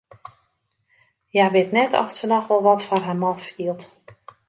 Hja wit net oft se noch wol wat foar har man fielt.